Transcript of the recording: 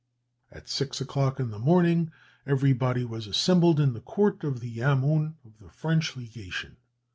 At six o'clock in the morning everybody was assembled in the court of the yamoun of the French legation.